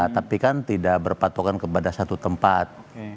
tidak berpatokan kepada satu tempat